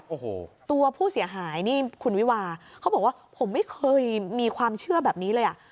โอ้โหตัวผู้เสียหายนี่คุณวิวาเขาบอกว่าผมไม่เคยมีความเชื่อแบบนี้เลยอ่ะ